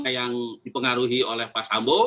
yang dipengaruhi oleh pak sambo